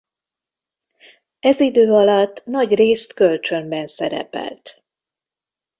Ez idő alatt nagy részt kölcsönben szerepelt.